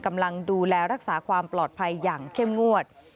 กำลังดูแลรักษาความปลอดภัยอย่างเข้มงวด